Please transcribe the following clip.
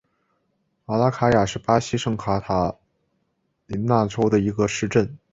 马拉卡雅是巴西圣卡塔琳娜州的一个市镇。